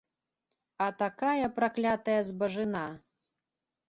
А такая праклятая збажына!